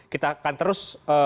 kita akan terus